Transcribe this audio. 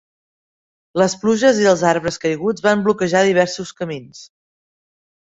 Les pluges i els arbres caiguts van bloquejar diversos camins.